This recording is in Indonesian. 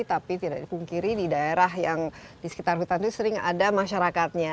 tapi tidak dipungkiri di daerah yang di sekitar hutan itu sering ada masyarakatnya